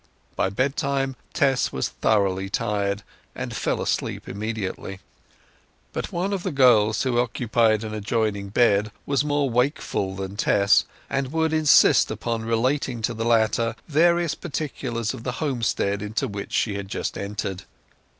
By bedtime Tess was thoroughly tired, and fell asleep immediately. But one of the girls, who occupied an adjoining bed, was more wakeful than Tess, and would insist upon relating to the latter various particulars of the homestead into which she had just entered.